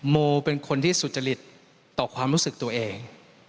โมเป็นคนที่สุจริตต่อความรู้สึกตัวเอง